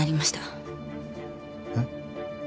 えっ？